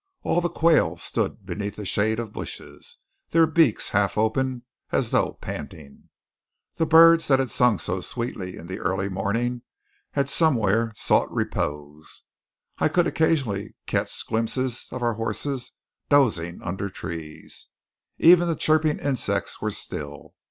All the quail stood beneath the shade of bushes, their beaks half open as though panting. The birds that had sung so sweetly in the early morning had somewhere sought repose. I could occasionally catch glimpses of our horses dozing under trees. Even the chirping insects were still.